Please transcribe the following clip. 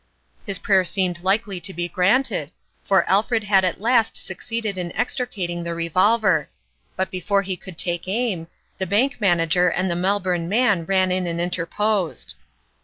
" His prayer seemed likely to be granted, for Alfred had at last succeeded in extricating the revolver ; but before he could take aim, the Bank Manager and the Melbourne man ran in and interposed.